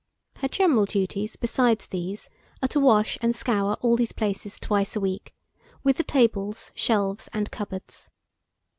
Her general duties, besides these, are to wash and scour all these places twice a week, with the tables, shelves, and cupboards.